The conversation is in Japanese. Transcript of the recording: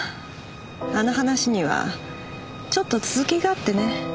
あの話にはちょっと続きがあってね。